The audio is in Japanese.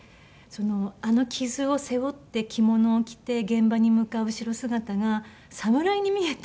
あの傷を背負って着物を着て現場に向かう後ろ姿が侍に見えて。